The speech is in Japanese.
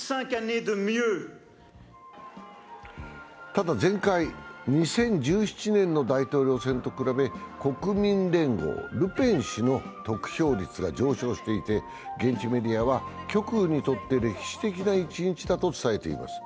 ただ、前回２０１７年の大統領選と比べ、国民連合・ルペン氏の得票率が上昇していて現地メディアは、極右にとって歴史的な一日だと伝えています。